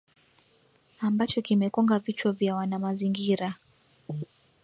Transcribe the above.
ambacho kimekonga vichwa vya wanamazingira